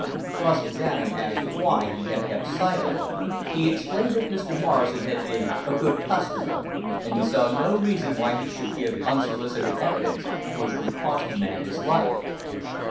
Cross examined as to why he had kept silent, he explained that Mr. Morrison had been a good customer and he saw no reason why he should give unsolicited evidence which would cost a man his life.